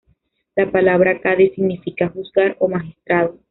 La palabra "cadí" significa "juzgar" o "magistrado".